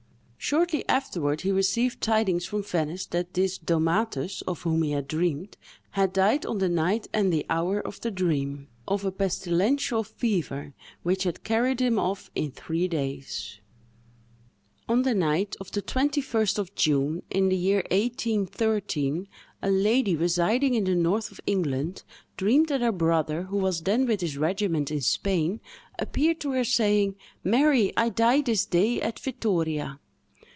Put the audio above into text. Shortly afterward he received tidings from Venice that this Domatus, of whom he had dreamed, had died on the night and at the hour of the dream, of a pestilential fever, which had carried him off in three days. On the night of the 21st of June, in the year 1813, a lady, residing in the north of England, dreamed that her brother, who was then with his regiment in Spain, appeared to her, saying, "Mary, I die this day at Vittoria!"